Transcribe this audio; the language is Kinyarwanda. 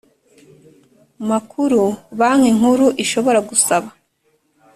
makuru Banki Nkuru ishobora gusaba